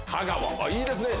いいですね。